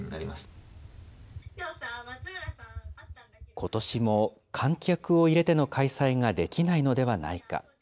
ことしも観客を入れての開催ができないのではないか。